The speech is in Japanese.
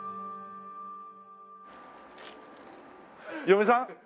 嫁さん？